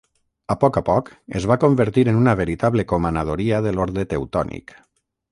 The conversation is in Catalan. A poc a poc es va convertir en una veritable comanadoria de l'Orde Teutònic.